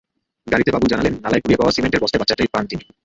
গাড়িতে বাবুল জানালেন, নালায় কুড়িয়ে পাওয়া সিমেন্টের বস্তায় বাচ্চাটা পান তিনি।